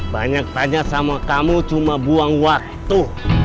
banyak tanya sama kamu cuma buang waktu